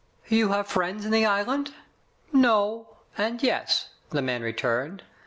"You have friends in the island? "No and yes, the man returned.